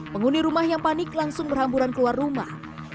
penghuni rumah yang panik langsung berhamburan keluar rumah